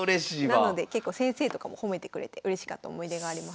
なので結構先生とかも褒めてくれてうれしかった思い出があります。